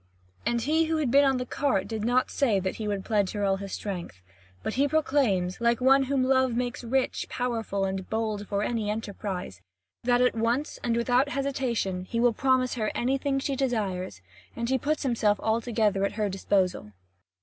And he who had been on the cart did not say that he would pledge her all his strength; but he proclaims, like one whom love makes rich, powerful and bold for any enterprise, that at once and without hesitation he will promise her anything she desires, and he puts himself altogether at her disposal.